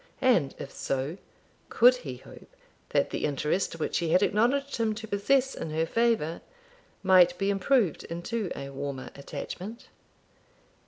And if so, could he hope that the interest which she had acknowledged him to possess in her favour might be improved into a warmer attachment?